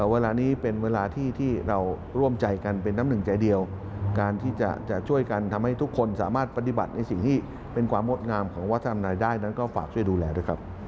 เวลานี้เป็นเวลาที่เราร่วมใจกันเป็นน้ำหนึ่งใจเดียวการที่จะช่วยกันทำให้ทุกคนสามารถปฏิบัติในสิ่งที่เป็นความงดงามของวัฒนธรรมนายได้นั้นก็ฝากช่วยดูแลด้วยครับ